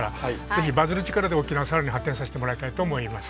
ぜひバズる力で沖縄を更に発展させてもらいたいと思います。